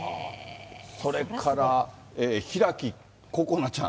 それから開心那ちゃん。